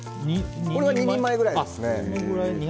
これは２人前ぐらいですね。